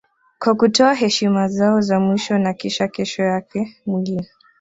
Kwa kutoa heshima zao za mwisho na kisha kesho yake mwili